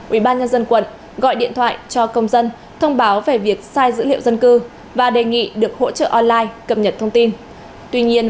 ubnd quận gọi điện thoại cho công dân thông báo về việc sai dữ liệu dân cư và đề nghị được hỗ trợ online cập nhật thông tin